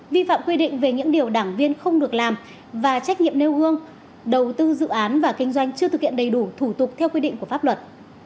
vi phạm quy định về những điều đảng viên không được làm và trách nhiệm nêu gương đầu tư dự án và kinh doanh chưa thực hiện đầy đủ thủ tục theo quy định của pháp luật